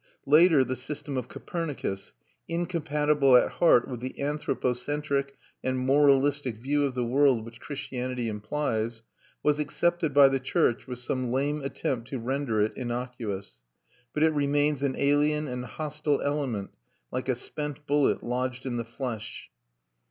Later the system of Copernicus, incompatible at heart with the anthropocentric and moralistic view of the world which Christianity implies, was accepted by the church with some lame attempt to render it innocuous; but it remains an alien and hostile element, like a spent bullet lodged in the flesh.